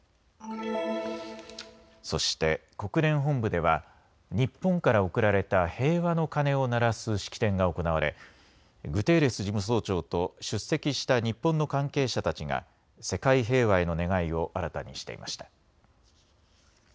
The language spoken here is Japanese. そして国連本部では日本から贈られた平和の鐘を鳴らす式典が行われグテーレス事務総長と出席した日本の関係者たちが世界平和への願いを新たにしていました。